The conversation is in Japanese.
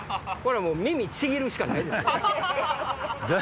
もう耳ちぎるしかないですよ。